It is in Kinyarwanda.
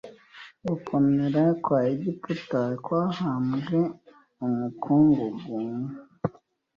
Gukomera kwa Egiputa kwahambwe mu mukungugu